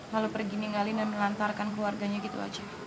lalu pergi ninggalin dan melantarkan keluarganya gitu aja